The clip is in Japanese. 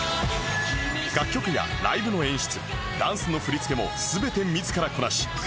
楽曲やライブの演出ダンスの振り付けも全て自らこなし